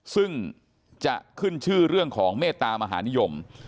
ซึ่งจะขึ้นชื่อเรื่องของเมตตามหานิยม